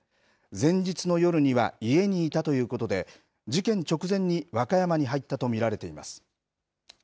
前日の夜には家にいたということで、事件直前に和歌山に入ったと見られています。